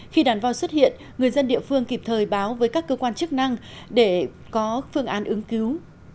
khi đàn voi xuất hiện người dân địa phương kịp thời báo với các cơ quan chức năng để có phương án ứng cứu